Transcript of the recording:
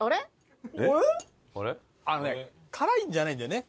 あのね辛いんじゃないんだよね。